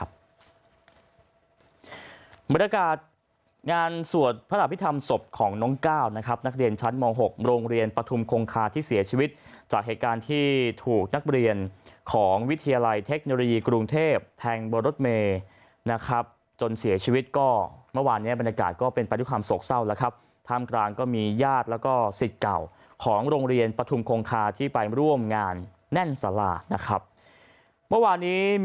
บรรยากาศงานสวดพระอภิษฐรรมศพของน้องก้าวนะครับนักเรียนชั้นม๖โรงเรียนปฐุมคงคาที่เสียชีวิตจากเหตุการณ์ที่ถูกนักเรียนของวิทยาลัยเทคโนโลยีกรุงเทพแทงบรดเมนะครับจนเสียชีวิตก็เมื่อวานนี้บรรยากาศก็เป็นประตูความสกเศร้าแล้วครับท่ามกลางก็มีญาติแล้วก็สิทธิ์เก่า